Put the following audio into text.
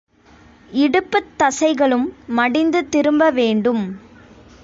இடுப்புத் தசைகளும் மடிந்து திரும்ப வேண்டும்.